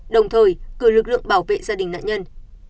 đồng thời cử lực lượng bảo vệ gia đình nạn nhân